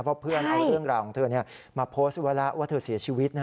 เพราะเพื่อนเอาเรื่องราวของเธอมาโพสต์ไว้แล้วว่าเธอเสียชีวิต